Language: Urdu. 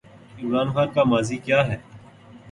عمران خان کا ماضی کیا ہے؟